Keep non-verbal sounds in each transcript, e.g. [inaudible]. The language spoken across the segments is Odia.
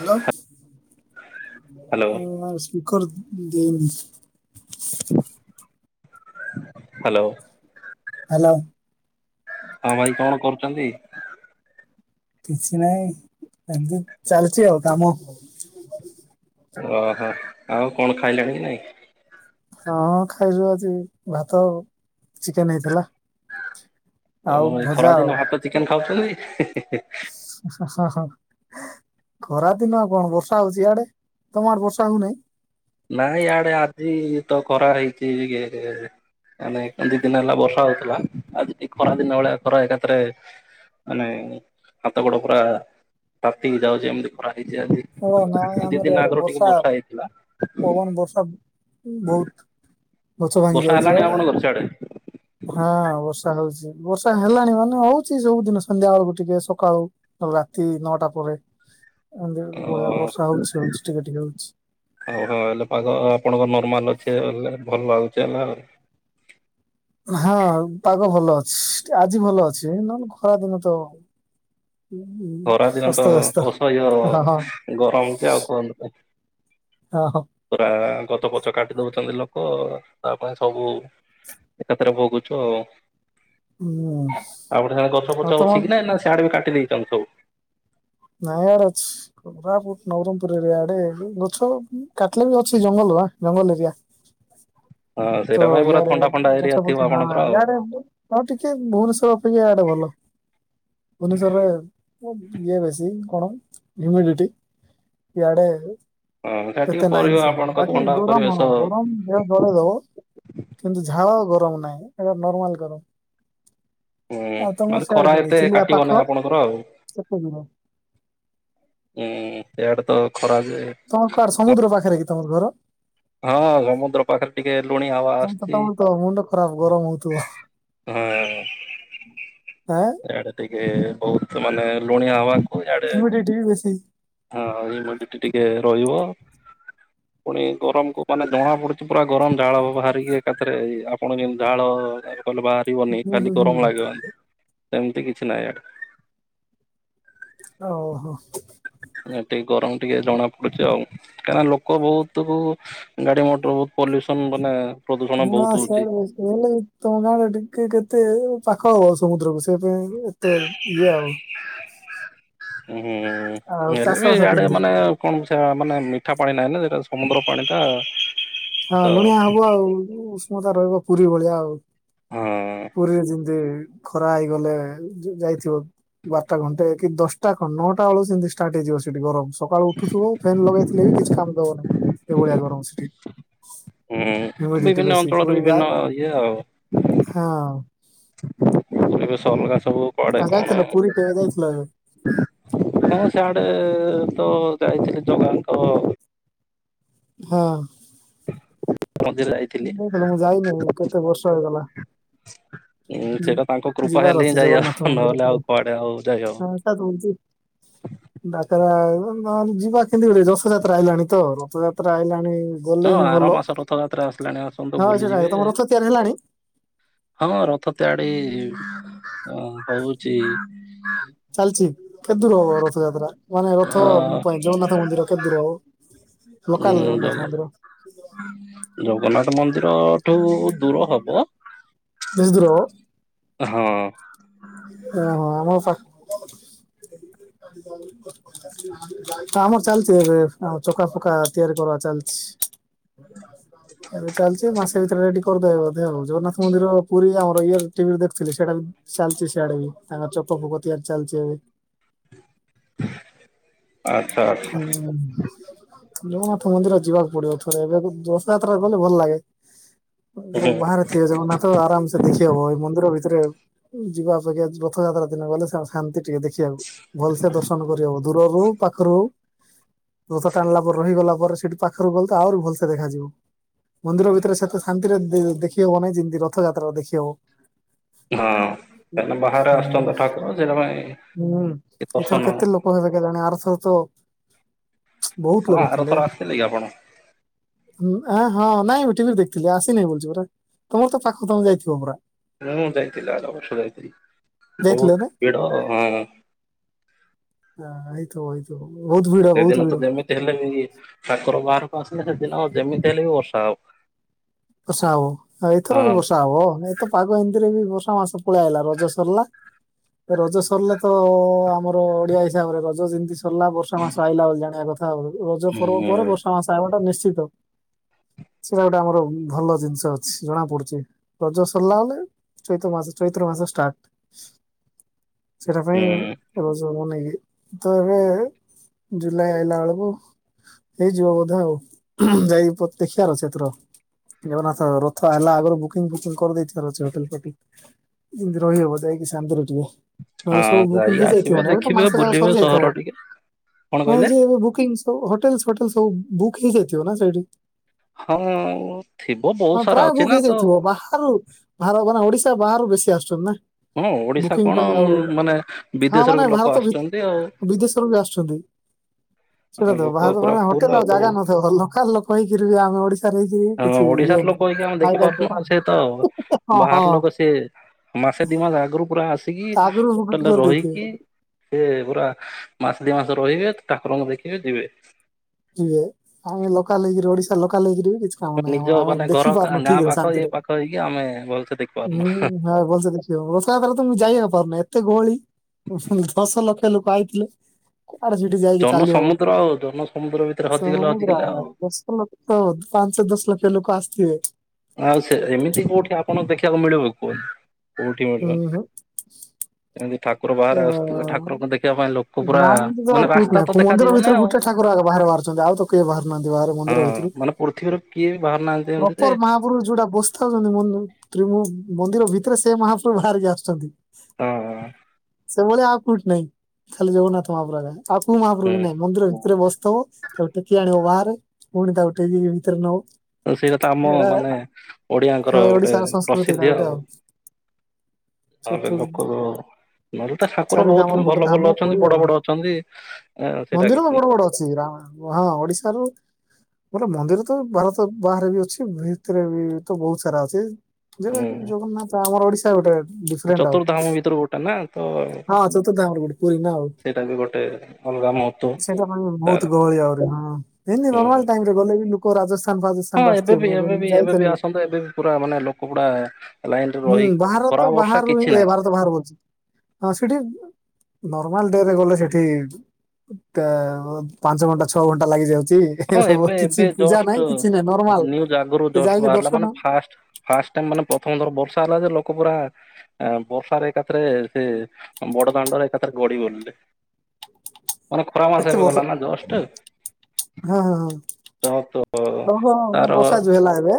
ହାଲୋ ହ୍ୟାଲୋ ଉ ସ୍ପିକର ଦେଇନି ହ୍ୟାଲୋ। ହ୍ୟାଲୋ। ହଁ ଭାଇ କଣ କରୁଛନ୍ତି? କିଛି ନାହିଁ ଏମିତି ଚାଲିଛି ଆଉ କାମ। ଓହୋ ଆଉ କଣ ଖାଇଲାଣି କି ନାଇଁ? ହଁ ଖାଇଛୁ ଆଜି ଭାତ ଚିକେନ ହେଇଥିଲା। ଓ ଆଉ ଏ ଭଜା ଖରାଦିନ ଆଉ ଭାତ ଚିକେନ ଖାଉଛନ୍ତି? ହ ହ। ଖରାଦିନ କଣ ବର୍ଷା ହଉଛି ଆଡ଼େ ତମ ଆଡ଼େ ବର୍ଷା ହଉନି? ନାଇଁ ଇଆଡ଼େ ଆଜି ତ ଖରା ହେଇଚି ଟିକେ। ମାନେ ଦି ଦିନ ହେଲା ବର୍ଷା ହଉଥିଲା ଆଜି ଟିକେ ଖରା ଦିନ ଭଳିଆ ଖରା ଏକାତରେ ମାନେ ହାତ ଗୋଡ଼ ପୁରା ତାତିକି ଯାଉଛି ଏମିତି ଖରା। ଓ ନାଇଁ ଇଜଦି ଦି ଆମର ଦିନ ଇଆଡେ ଆଗରୁ ଟିକେ ବର୍ଷା ହେଇଥିଲା। ପବନ ବର୍ଷା ବହୁତ୍। ଗଛ ଭାଙ୍ଗି ବର୍ଷା ଯାଉଛି ହେଲାଣି ଆଡେ ଆପଣଙ୍କର ସିଆଡେ? ହଁ ବର୍ଷା ହଉଚି। ବର୍ଷା ହେଲାଣି ମାନେ ହଉଛି ସବୁଦିନ ସନ୍ଧ୍ୟା ବେଳକୁ ଟିକେ ସକାଳୁ ରାତି ନଅଟା ପରେ। [inaudible] ଏମିତି ଓ ଭଳିଆ ବର୍ଷା ହଉଛି ହଉଛି ଟିକେ ଟିକେ ହଉଛି ଆଉ ହ ହେଲେ ପାଗ ଆପଣଙ୍କ ନର୍ମାଲ ଅ ସେ ଭଲ ଲାଗୁଛି ହେଲେ ହଁ ପାଗ ଭଲ ଅ ଆଜି ଭଲ ଅଛି ନହେଲେ ଖରାଦିନ ତ ଖରାଦିନ ତ ଅସ୍ତବ୍ୟସ୍ତ ହଁ ହଁ ଅସହ୍ୟ ଗରମ ଯେ ଆଉ କୁହନ୍ତୁ ନାଇଁ। ହଁ ହଁ ପୁରା ଗଛ ଫଛ କାଟି ଦଉଛନ୍ତି ଲୋକ ତା ପାଇଁ ସବୁ ଏକାଥରେ ଭୋଗୁଛୁ ଆଉ ହୁଁ ଆଉ ଗୋଟେ ସେ ଗଛ ଆଉ ଫଛ ତମ ଅଛି କି ନା ନା ସିଆଡେ ବି କାଟିିଦେଇ ନାଇଁ ଆଡେ ଅଛି କୋରାପୁଟ ନବରଙ୍ଗପୁର ଏରେଆଡେ ଗଛ କାଟିଲେ ବି ଅଛି ଜଙ୍ଗଲ ବା ଜଙ୍ଗଲ ଏରିଆ ହଁ ତ ସେଇଟା ପାଇଁ ପୁରା ଇଆଡେ ଥଣ୍ଡା ଫଣ୍ଡା ଏରିଆ ଗଛ ଥିବ ଫଛ ହଁ ଆପଣଙ୍କର ଆଉ ଇଆଡେ ଆ ଟିକେ ଭୁବନେଶ୍ଵର ଅପେକ୍ଷା ଇଆଡେ ଭଲ। ଭୁୁବନେଶ୍ୱରରେ ଇଏ ବେଶି କଣ ହ୍ୟୁମଟିଟି ଇଆଡେ ହଁ ସେଇଟା ଟିକେ ଏତେ ନାହିଁ ପରିବ ସେଟା ଆପଣଙ୍କ ବାକି ଥଣ୍ଡା ଗରମ ପରିବେଶ ଗରମ ଦେହ ଜଳେ ଦବ କିନ୍ତୁ ଝାଳ ଗରମ ନାହିଁ ଏଟା ନର୍ମାଲ ଗରମ। ହୁଁ ଆଉ ତମ ମାନେ ସିଆଡେ ଖରା କେତେ ଏତେ ଚିଲିକା କାଟିବ ନାହିଁ ପାଖ ଆପଣଙ୍କର ଆଉ କେତେ? ହୁଁ ଏଆଡେ ତ ଖରା ଯେ ତମ କର ସମୁଦ୍ର ପାଖରେ କି ତମର ଘର? ହଁ ସମୁଦ୍ର ପାଖରେ ଟିକେ ଲୁଣିଆ ହାଉଆ ତମେ ତ ସଛି ତମର ତ ମୁଣ୍ଡ ଖରାପ ଗରମ ହଉଥିବ ହଁ ଆଁ ଆଡେ ଏ ବହୁତ ମାନେ ଲୁଣିଆ ହାବା ସେମିତି ଏଠିକି ଟିଭି ବେଶୀ ହଁ ହ୍ୟୁମିଡିଟି ଟିକେ ରହିବ। ପୁଣି ଗରମ କୁ ମାନେ ଜଣା ପଡୁଛି ପୁରା ଗରମ ଝାଳ ବାହାରିକି ଏକାଥରେ ଆପଣ ଯେମିତି ଝାଳ କହିଲେ ବାହାରିବନି ହୁଁ ହୁଁ ଖାଲି ହୁଁ ଗରମ ଲାଗିବ। ଏମିତି କିଛି ନାହିଁ ଆଡେ। ଓହୋ। ଟିକେ ଗରମ ଟିକେ ଜଣା ପଡୁଚି ଆଉ। କାହିଁକିନା ଲୋକ ବହୁତ ଗାଡି ମଟର ବହୁତ ପଲ୍ୟୁସନ ମାନେ ପ୍ରଦୂଷଣ ହଁ ବହୁତ ହଉଛି ସ୍ୟାଡେ ବେଶି [unintelligible] ତମର ଆଡେ ଟିକେ କେତେ ପାଖ ହବ ଆଉ ସମୁଦ୍ରକୁ ସେ ପାଇଁ ଏତେ ଇଏ ଆଉ ହୁଁ ଆଉ ହେଲେ ଚାଷ ବି ବାସ ଇଆଡେ କେମିତି? ମାନେ କଣ ସେ ମାନେ ମିଠା ପାଣି ନାହିଁ ନା ସେଟା ସମୁଦ୍ର ପାଣି ଟା ହଁ ତ ଲୁଣିଆ ହବ ଆଉ ଉଷ୍ମତା ରହିବ ପୁରୀ ଭଳିଆ ଆଉ। ହଁ ପୁରୀ ରେ ଯେମିତି ଖରା ହେଇଗଲେ ଯାଇଥିବ ବାରଟା ଘଣ୍ଟେ କି ଦଶଟା ଖ ନଅଟା ବେଳକୁ ସେମିତି ଷ୍ଟାର୍ଟ ହେଇଯିବ। ସେଠି ଗରମ ସକାଳୁ ଉଠୁଥିବ ଫେନ୍ ଲଗେଇଥିଲେ ବି କିଛି କାମ ଦବନି ଏଭଳିଆ ଗରମ ସେଠି। ହୁଁ ହ୍ୟୁମିଡିଟି ବିଭିନ୍ନ ବେଶୀ ଅଞ୍ଚଳରୁ ପୁରୀ ଗା ବିଭିନ୍ନ ଇଏ ଆଉ। ହଁ [unintelligible] ସବୁ କୁଆଡେ ଆଉ କଣ ଯାଇଥିଲ ପୁରୀ କେବେ ଯାଇଥିଲ ଏବେ କଣ ସେଆଡେ ଏ ତ ଯାଇଥିଲି ଜଗା ହଁ। ମନ୍ଦିର ଯାଇଥିଲି। ଯାଇଥିଲ ମୁଁ ଯାଇନି କେତେ ବର୍ଷ ହେଇଗଲା ଉଁ ଯି ସେଟା ତାଙ୍କ କୃପା ଯିବାର ହେଲେ ହିଁ ଅଛି ଯାଇଆ ଜଗନ୍ନାଥ ମନ୍ଦିର ନହେଲେ ଟିକେ ଆଉ କୁଆଡେ ଆଉ ଯାଇ ହବ। ହଁ ତା ଦଉଛି ଡାକରା ଯିବା କେମିତି ଗୋଟେ ରଥଯାତ୍ରା ଆଇଲାଣି ତ ରଥଯାତ୍ରା ଆଇଲାଣି ଗଲେ ହଁ ହିଁ ଆର ଭଲ ମାସ ରଥଯାତ୍ରା ଆସିଲାଣି ଆସନ୍ତୁ ହଁ ସେଟା ବୁଲିଯିବେ ତମ ରଥ ତିଆରି ହେଲାଣି ହଁ ରଥ ତିଆଡି ହଉଛି ଚାଲିଛି କେତେ ଦୂର ହବ ରଥଯାତ୍ରା ମାନେ ଅ ରଥ ପାଇଁ ଜଗନ୍ନାଥ ମନ୍ଦର କେତେ ଦୂର ହବ। ହଁ ଲୋକାଲ ଜଗନ୍ନାଥ ଜଗା ମନ୍ଦିର ଜଗନ୍ନାଥ ମନ୍ଦିରଠୁ ଦୂର ହବ। ବେଶୀ ଦୂର ହବ ହଁ। ଓହୋ ଆମ ପାଖ [inaudible] କାମ ଚାଲଛି ଏବେ ଆଉ ଚକା ଫକା ତିଆରି କରା ଚାଲିଛି। [inaudible] ଏବେଚାଲିଛି ମାସେ ଭିତରେ ଟିକି କରିଦେବା ବୋଧେ ଆଉ ଜଗନ୍ନାଥ ମନ୍ଦିର ପୁରୀ ଆଉ ଇ ଟିଭିରେ ଦେଖଥିଲି ସେଇଟା ବି ଚାଲିଛି ସିଆଡେ ବି ତାଙ୍କର ଚକ ଫୋକ ତିଆରି ଚାଲିଛି ଏବେ। ଆଚ୍ଛା ଆଚ୍ଛା ହୁଁ। ଜଗନ୍ନାଥ ମନ୍ଦିର ଯିବାକୁ ପଡିବ ଥରେ ଏବେ ରଥଯାତ୍ରା ଗଲେ ଭଲ ଲାଗେ। ହୁଁ ହଁ। ବାହାରେ ଥିବ ଜଗନ୍ନାଥ ଆରାମ ସେ ଦେଖି ହବ ଏ ମନ୍ଦିର ଭିତରେ ଯିବା ଅଞ୍ଜ୍ୟ ରଥଯାତ୍ରା ଦିନ ଗଲେ ଶାନ୍ତି ଟିକେ ଦେଖିବାକୁ ଭଲସେ ଦର୍ଶନ କରିହବ। ଦୂରରୁ ପାଖରୁ ରଥ ଟାଣିଲା ପରେ ରହିଗଲା ପରେ। ସେଠି ପାଖରୁ ଗଲେ ତ ଆହୁରି ଭଲସେ ଦେଖାଯିବ। ମନ୍ଦିର ଭିତରେ ସେତେ ଶାନ୍ତିରେ ଦେ ଦେଖି ହବ ନାହିଁ ଯେମିତି ରଥଯାତ୍ରା ଦେଖିହବ। ହଁ। ତାପ ହୁ ହୁଁ ଏଥର ଦର୍ଶନ କେତେ ଲୋକ ହେବେ କେଜାଣି। [unintelligible] ବହୁତ ହଁ ଲୋକ ଥିଲେ ଆରଥର ଆସିଥିଲେ କି ଆପଣ? ଆ ହଁ। ନାଇଁଠି ବି ଦେଖିଥିଲି ଆସିନାହିଁ ବୁଛି ପୁରା ତମର ତ ପାଖକୁ ତମେ ଯାଇଥିବ ପୁରା। ହୁଁ ଯାଇଥିଲ ଆରବର୍ଷ ଯାଇଥିଲି। ଯାଇଥିଲେ ନା ବହୁତ ଭିଡ ହଁ। ହ ହେଇଥିବା ହେଇଥିବା। ସେଦିନ ତ ଯେମିତି ହେଲେ ବି ଠାକୁର ବାହାରକୁ ସେଦିନ ଯେମିତି ହେଲେ ବି ବର୍ଷା ହେବ। ବର୍ଷା ହବ ଏଥର ବି ବର୍ଷା ହବ ଏ ତ ପାଗ ଏମତିରେ ବି ବର୍ଷା ମାସ। ପଳାଇଲା ରଜ ସରିଲା। ରଜ ସରିଲେ ତ ଆମର ଓଡିଆ ହିସାବରେ ରଜ ଯେମିତି ସରିଲା ବର୍ଷା ମାସ ଆଇଲା ବୋଲି ଜାଣିବା କଥା। ଆଉ ରଜ ପର୍ବ ପରେ ହୁଁ ବର୍ଷା ମାସ ଆଇବ ନିଶ୍ଚିତ ସେଇଟା ଗୋଟେ ଆମର ଭଲ ଜିନିଷ ଅଛି ଜଣା ପଡୁଛି ରଜ ସରିଲା ବଲେ। ଚୈତ୍ର ମାସ ଚୈତ୍ର ମାସ ଷ୍ଟାର୍ଟ ସେଟା ପାଇଁ ହୁଁ ରଜ ବନ୍ ତ ଏବେ ଜୁଲାଇ ଆଇଲା ବେଳକୁ। ହେଇଯିବ ବୋଧେ ଆଉ ଯାଇି ଦେଖିବାର ଅଛି ଏଥର। ଜଗନ୍ନାଥ ରଥ ହେଲା ଆଗରୁ ବୁକିଂ ଫୁକିଂ କରିଦେଇଥିବାର ଅଛି ହୋଟେଲ ଫୋଟେଲ। ଯେମିତି ରହିହବ ଯାଇକି ଶାନ୍ତିରେ ଟିକେ। ନହେଲେ ହଁ ସବୁ ବୁକିଂ ଯାଇକି ହେଇଯାଇଥିବ ଆସିବେ ନହେଲେ ଦେଖିବେ ମାସ ଜାକ ବୁଲିବେ ସରିଯାଇଥିବ। ସହର ଟିକେ କଣ ନାଇଁ କହିଲେ? ଯେ ଏବେ ବୁକିଂ ସବ ହୋଟେଲୋଟେଲ ସବୁ ବୁକ୍ ହେଇଯାଇଥିବ ନା ସେଇଠି। ହଁ। ଥିବ ବହୁତ ହଁ ସାରା ପ୍ରାୟ ଅଛି ବୁକ୍ ନା ତ ହେଇଯାଇଥିବ ବାହାରୁ ବା ମାନେ ଓଡିଶା ବାହାରୁ ବେଶୀ ଆସୁଛନ୍ତି ନା। ହଁ ଓଡିଶା ବୁକିଂ କଣ ପାଇଁ ଆଉ ମାନେ ହଁ ବିଦେଶର ମାନେ ଲୋକ ଭାରତ ଭି ଆସୁଛନ୍ତି ଆଉ। [inaudible] ବିଦେଶରୁ ବି ଆସୁଛନ୍ତି। ସେଇଟା ତ ଲୋକ ବାହାରୁ ପୁରା ମାନେ ଫୁଲ ହୋଟେଲ ଆଉ ଜାଗା ନଥିବ ଲୋକାଲ ଲୋକ ହେକିରି ବି ଆମେ ଓଡ଼ିଶା ହଁ ଓଡିଶାର ଲୋକ ହେଇକି ଆମେ ତ ଦେଖିପାରୁନୁ ସେ ନାହିଁ। ତ ହଁ ହଁ ବାହାର ଲୋକ ସିଏ ମାସେ ଦି ମାସ ଆଗରୁ ପୁରା ଆସ କି ଆଗରୁ ବୁକିଂ ହଟେଲ ରେ କରିଦେଇଥିବେ ରହିକି ସେ ପୁରା ମାସ ଦ ମାସ ରହିବେ ଠାକୁରଙ୍କୁ ଦେଖିବେ ଯିବେ। ଯିବେ। ଆମେ ଲୋକାଲ ହେଇକିରି ଓଡିଶା ଲୋକାଲ ହେଇକିରି। କିଛି କାମ ନାହିଁ ଆମ ନିଜ ଆମେ ମାନେ ଦେଖି ଘର ପାରୁନୁ ଗାଁ ଠିକ ପାଖ ଇଏ ଶାନ୍ତିରେ ପାଖ ହେଇକି ଆମେ ଭଲସେ ଦେଖିପାରୁନୁ। ହୁଁ ଆଉ ଭଲସେ ରଥଯାତ୍ରା ମୁଁ ଯାଇ ହ ପାରୁନି ଏତେ ଗହଳି ଦଶ ଲକ୍ଷ ଲୋକ ଆଇଥିଲେ। ଆରେ ସେଠି ଯାଇକି ଜନ ଚାଲି ହବନି ସମୁଦ୍ର ଆଉ ଜନ ସମୁଦ୍ର ଭିତରେ ହଜିଗଲେ ସମଦ୍ର ହଜିଗଲେ ଆଉ। ଦଶଲକ୍ଷ ପାଞ୍ଚ ଦଶ ଲକ୍ଷ ଲୋକ ଆସିଥିବେ। ଆଉ ସେ ଏମିତି କୋଉଠି ଆପଣଙ୍କୁ ଦେଖିବାକୁ ମିଳିବ କୁହନ୍ତୁ। କୋଉଠି ହୁଁ ମିଳିବ ହୁଁ। ଏମ୍ତିି ଠାକୁର ଅ ବାହାରେ ଆସୁଥିବେ ଠାକୁରଙ୍କୁ ଦେଖିବା ପାଇଁ ଲୋକ ପୁରା ନାଇଁ ଏମିତି ତ ମାନେ ଠିକ ରାସ୍ତା ନାହିଁ। ତ କୋଉ ମନ୍ଦିର ଦେଖାଯିବନି ଭିତରୁ ଆଉ। ଗୋଟେ ଠାକୁର ଆଗ ବାହାରେ ବାହାରୁଛନ୍ତି ଆଉ ତ କେହି ବାହାରୁ ନାହାନ୍ତି ବାହାରେ ମନ୍ଦିର ହଁ ଭିତରୁ। ମାନେ ପୃଥିବୀରୁ କିଏ ବି ବାହାରୁ ନାହାନ୍ତି ଏମତି ପ୍ରପର ଯେ ମହାପ୍ରଭୁ ଯୋଉଟା ବସଥାଉଛନ୍ତି ମନ୍ଦ-ତ୍ରିମମ୍ ମନ୍ଦିର ଭିତରେ ସେ ମହାପ୍ରଭୁ ଭାରିକି ଆସୁଛନ୍ତି। ହଁ ସେ ଭଳିଆ ଆଉ କୋଉଠି ନାଇଁ ଖାଲି ଜଗନ୍ନାଥ ମହାପ୍ରଭୁ ଆଜ୍ଞା। ତାକୁ ମହାପ୍ରଭୁ ନାଇଁ ମନ୍ଦିର ଭିତରେ ବସ ତ-ତାକୁ ଟେକି ଆଣିବ ବାହାରେ ପୁଣି ତାକୁ ଟେକିକି ଭିତରେ ନବ। ହୁଁ ସେଇଟା ତ ଆମ ଏଟା ମାନେ ଓଡିଆଙ୍କର ହଁ ଗୋଟେ ଓଡିଶାର ସଂସ୍କୃତିଟା ଗୋଟେ ଆଉ। ତାହେଲେ ଚତୁ ଲୋକଦର ନହେଲେ ତା ଠାକୁର ଚାରିଟା ଆମର ବହୁତ ଗୋଟେ ଭଲ ଧାମ ଭଲ ପୁରୀ ଅଛନ୍ତି ଆଉ ବଡ ବଡ ଅଛନ୍ତି ସେଇଟା କିଛି ନା ଆ -ହଁ ଓଡିଶା ରୁ। ଗୋଟେ ମନ୍ଦିର ତ ଭାରତ ବାହାରେ ବି ଅଛି ଭିତରେ ବି ତ ବହୁତ ସାରା ଅଛି। ହୁଁ ଯେବେଠୁ ଜଗନ୍ନାଥ ଆମର ଓଡିଶା ଗୋଟେ ଡିଫରେଣ୍ଟ ଆଉ ଚତୁର୍ଧାମ ଭିତରୁ ଗୋଟେ ନା ତ ହଁ ସତ କଥା ଗୋଟେ ପୁରୀ ନାଁ ଆଉ। ସେଇଟା ବି ଗୋଟେ ଅଲଗା ମହତ୍ଵ ସେଇଟା ପାଇଁ ତାର ବହୁତ ଗହଳି ଆହୁରି ହଁ ଏନ୍ତି ହୁଁ ହୁଁ। ନର୍ମାଲ ଟାଇମରେ ଗଲେ ବି ଲୋ ହଁ ଏବେବି ଏବେବି ଏବେ ବି ଯାଇଥିଲି। ଆସନ୍ତୁ ଏବେ ବି ପୁରା ମାନେ ଲୋକ ଗୁଡା ଲାଇନରେ ରହି ଖରା ତ ବର୍ଷା ବାହାରେ କିଛି ରହିବି ନାହିଁ ଏଭାରତ ବଞ୍ଚି ବାହାରେ ସିଠି ନର୍ମାଲ ଡୋ ରେ ଗଲେ ସେଠି ତାଅ ପାଞ୍ଚ ଘଣ୍ଟା ଛଅ ଘଣ୍ଟା ଲାଗିଯାଉ ହଁ ଏବେ ଏବେ କିଛି [unintelligible] ପୂଜା ଜଷ୍ଟ ନାଇଁ। ନ୍ୟୁଜ ଆଗରୁ ଜଷ୍ଟ ବାହାରିଲା ମାନେ ଦର୍ଶନ ଫାର୍ଷ୍ଟ ଫାର୍ଷ୍ଟ ଟାଇମ ମାନେ ପ୍ରଥମଥର ବ ବର୍ଷା ହେଲା ଯେ ଲୋକ ପୁରାଆ ବର୍ଷାରେ ଏକାଥରେ ସେ ବଡ ଦାଣ୍ଡରେ ଏକାଥରେ ଗଡି ଗଲୁ। ମାନେ ଖରା ମାସ ଏତେ ଏବେ ବର୍ଷ ଗଲା ନାଁ ଜଷ୍ଟ। ହଁ ହଁ ହଁ ତ ତୋଓ ଓହୋ ଏ ତାର ବର୍ଷା ହଁ ଯୋଉ ହେଲା ଏବେ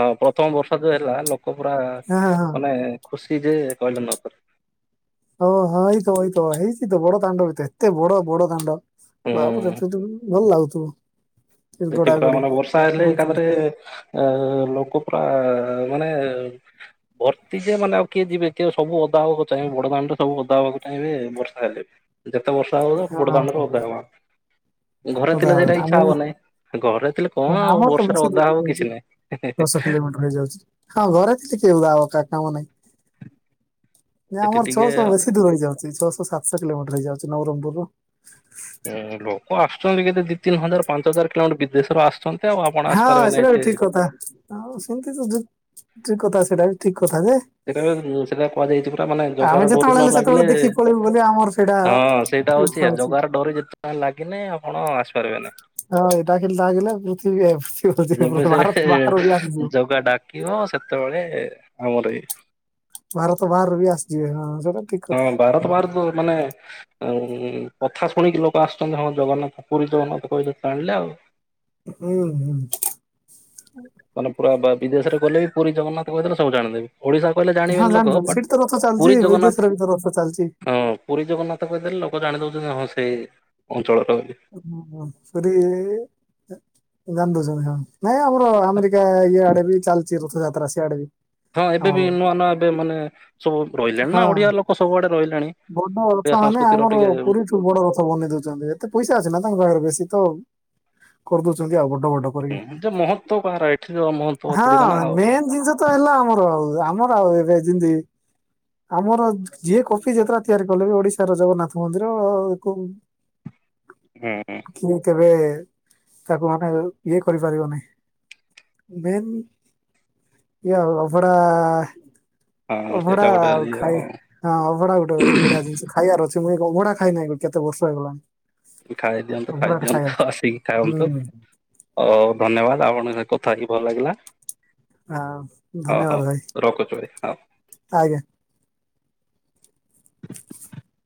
ପ ପ୍ରଥମ ବର୍ଷା ଯୋ ହେଲା ଲୋକ ପୁରା ହଁ ହଁ ହଁ ମାନେ ଖୁସି ଯେ କହିଲେ ନ ସରେ। ଓ ହଁ ହେଇଥବ ହେଇଥବ ହେଇଚି ତ ବଡ ଦାଣ୍ଡ ବି ତ ଏତେ ବଡ ବଡ ଦାଣ୍ଡ। ହୁଁ। ବାପରେ ପିନ୍ଧିଲୁନ ଭଲ ଲାଗୁଥିବ। ସେଠି ଗଡା ପୁରା ଗଡି ମାନେ ବର୍ଷା ହେଲେ ହଉଥିଲା ଏକାଥରେଏ ଅ ଲୋକ ପୁରାଆ। ଆ ମାନେ ଏ ଭର୍ତ୍ତି ଯେ ମାନେ ଆଉ କିଏ ଯିବେ ଏତିକ ସବୁ ଓଦା ହେବା ଚାହିଁବେ ବଡଦାଣ୍ଡ ସବୁ ଓଦା ହବାକୁ ଚାହିଁବେ ବର୍ଷା ହେଲେ। ଯେତେ ବର୍ଷା ହଉଥାଉ ବଡ଼ ହଁ ଦାଣ୍ଡରେ ଓଦା ହବ, ଘରେ ଅଧା ଥିଲେ ସେଇଟା କଥା ଇଚ୍ଛା ମୁଁ ହବ ନାହିଁ। ଘରେ ଥିଲେ କଣ ଆଉ ଆମର ତ ବର୍ଷାରେ ବେଶୀ ଦୂର ଓଦା ହବ ହେଇଯାଉଛି କିଛି ନାହିଁ। ଦଶ କିଲୋମିଟର ହେଇଯାଉଚି ହଁ ଘରେ କିଏ ଆଉ କା କାହା କାମ ନାହିଁ। ନାଁ ସେଠି ଆମର ଟିକେ ଛଅଶହ ମାନେ ବେଶୀ ଦୂର ହେଇଯାଉଚି। ଛଅଶହ ସାତଶହ କିଲୋମିଟର ହେଇଯାଉଚି ନବରଙ୍ଗପୁରରୁୁ। ଉଁ ଲୋକ ଆସୁଚନ୍ତି କେତେ ଦି ତିନି ହଜାର, ପାଞ୍ଚ ହଜାର କିଲୋମିଟର ବିଦେଶରୁ ଆସୁଚନ୍ତି। ହଁ ସେଇଟା ବି ଠିକ୍ କଥା ସେମତି ତ ବି ଠିକ୍ କଥା ସେଇଟା ବି ଠିକ୍ ବୁଝୁଚକି? ସେଟାରେ ଉ ସେଟା କୁହାଯାଇଚି ପ ତା ମାନେ ଆମେ ଜଗାର ଡୋରି ଯେତେବେଳେ ନ ହେଲେ ସେତେବେଳେ ଲାଗିଲେଏ ଦେଖିକି ପଳେଇବୁ ବୋଲି ଆମର ସେଇଟା ହଁ ସେଇଟା ହଉଚି ଇର୍ଷା ଅଛି। ଜଗାର ଡୋରି ଯେ ଲାଗିନି ଆପଣ ଆସିପାରିବେ ନି। ହଁ ଏଇଟା ଖାଲି ଲାଗିଲା ପୃଥିବୀ ଏଫ୍ ସି ବୋଧେ ଯେବେ ସେ ଭାରତ ବାହାରୁ ହେଲେ ଆସିଯିବ। ସେତେବେଳେଏ ଆମର ଏଇ ଭାରତ ବାହାରୁ ବି ଆସିଯିବେ ହଁଅଁ ସବ ହଁ ଭାରତ ବାହାରୁ ତ ମାନେ ଉଁ କଥା ଶୁଣିକି ଲୋକ ଆସୁଚନ୍ତି ହଁ ଜଗନ୍ନାଥ ପୁରୀ ଜଗନ୍ନାଥ କହିଲେ ତ ଆାଣିଲେ ଆଉ। ହୁଁ ହୁଁ। ମାନେ ପୁରା ବା ବିଦେଶରେ ଗଲେ ବି ପୁରୀ ଜଗନ୍ନାଥ କଇଦେଲେ ସବୁ ଜାଣିଦେବେ। ଓଡିଶା କହିଲେ ହଁ ଜାଣିବେନି ଲୋକ ଜାଣିଛନ୍ତି ବଟ୍ ସେଠି ତ ରଥ ଚାଲିଛି ପୁରୀ ଜଗନ୍ନାଥ ବିଦେଶରେ ବି ତ ରଥ ଚାଲିଛି। ହଁ ପୁରୀ ଜଗନ୍ନାଥ କହିଦେଲେ ଲୋକ ଜାଣି ଦଉଚନ୍ତି ହଁ ସେ ଅ [unintelligible] ପୁରୀଇ ଜାଣିଦଉ [unintelligible] ନାଇଁ ଆମର ଆମେରିକା ଇଆଡେ ବି ଚାଲିଚି ରଥଯାତ୍ରା ସିଆଡେ ବି। ହଁ ଏବେ ଆମର ବି ନୂଆଁ ନୂଆଁ ଏବେ ମାନେ ସବୁ ରହିଲେଣି ହଁ ନାଁ ଓଡିଆ ଲୋକ ସବୁଆଡେ ରହିଲେଣି। ବଡ ଓଡ଼ିଆ ରଥ ମାନେ ସଂସ୍କୃତିର ଆମର ଟିକେ ପୁରୀ ଠୁ ବଡ ରଥ ବନେଇ ଦଉଛନ୍ତି ଏତେ ପଇସା ଅଛି ନା ତାଙ୍କ ପାଖରେ ବେଶୀ ତ କରିଦଉଛନ୍ତି ଆଉ ଗୋ ବୋଟ୍ କର ଯେ ମହତ୍ଵ କାହାର ଏଠିର ମହତ୍ଵ ଅଧିକ ହଁ ନା ଆଉ। ମେନ୍ ଜିନିଷ ତ ହେଲା ଆମର ଆମ । ଏବେ ଜିନ୍ଦି ଆମର ଯିଏ କପି ଯେତେଟା ତିଆରି କଲେ ବି ଓଡିଶାର ଜଗନ୍ନାଥ ମନ୍ଦିର-ଅ-ଅ-ଅକୁ ହୁଁ କିଏ କେବେ-ଏ-ଏ ତାକୁ ମାନେ ଏ ଇଏ କରିପାରିବନି ମେନ୍ ଇ ଆଉ ଅଭଡା-ଆ-ଆ-ଆ ହଁ-ଅ-ଅ ସେଇଟା ଗୋଟେ ଇଏ ଖାଇ ଆଉ। ହଁ ଅଭଡା ଗୋଟେ ବଢିଆ ଜିନିଷ ଖାଇବାର ଅଛି ମୁଁଇ ଅଭଡା ଖାଇନାହିଁ କେତେ ବର୍ଷ ହେଇଗଲାଣି। ଖାଇଦିଅନ୍ତୁ ଅଭଡାଟା ଖାଇବାର ଖାଇଦିଅନ୍ତୁ ଅଛି। ଆସିକି ଖାଆନ୍ତୁ। ହୁଁ ହଉ ହଉ ଧନ୍ୟବାଦ ଆପଣଙ୍କ ସହ ତ କଥା ହେଇ ଭଲ ଲାଗିଲା। ଆଉ ହଁ ହଁ ଧନ୍ୟବାଦ ଭାଇ ରଖୁଛି ଭାଇ ହଁ। ଆଜ୍ଞା।